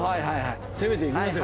攻めていきますよ